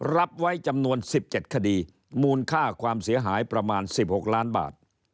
รับไว้จำนวน๑๗คดีมูลค่าความเสียหายประมาณ๑๖ล้านบาท